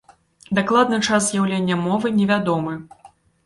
Дакладны час з'яўлення мовы невядомы.